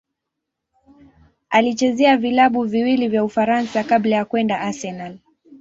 Alichezea vilabu viwili vya Ufaransa kabla ya kwenda Arsenal.